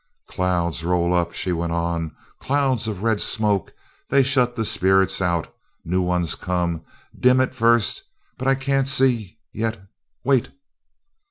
"Clouds roll up " she went on, "clouds of red smoke they shut the spirits out new ones come dim at first but I can't see yet. Wait!"